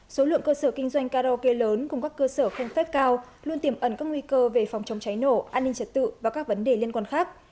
số lượng cơ sở kinh doanh karaoke lớn cùng các cơ sở không phép cao luôn tiềm ẩn các nguy cơ về phòng chống cháy nổ an ninh trật tự và các vấn đề liên quan khác